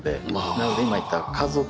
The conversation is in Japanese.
なので今言った。